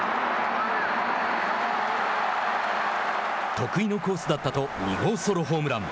得意のコースだったと２号ソロホームラン。